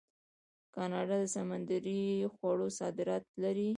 کاناډا د سمندري خوړو صادرات لري.